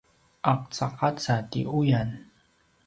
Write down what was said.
qacaqaca ti uyan